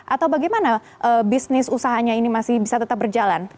atau bagaimana bisnis usahanya ini masih bisa tetap berjalan